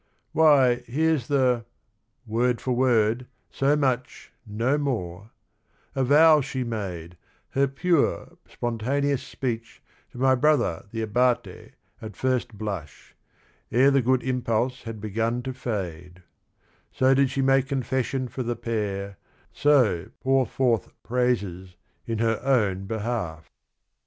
"Why here 's the — word for word, so much, no more — Avowal she made, her pure spontaneous speech To my brother the Abate at first blush, Ere the good impulse had begun to fade : So did she make confession for the pair, So pour forth praises in her own behalf."